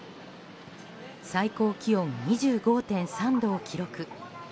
最高気温２５．３度を記録。